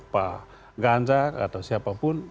pak ganjar atau siapapun